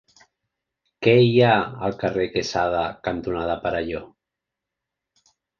Què hi ha al carrer Quesada cantonada Perelló?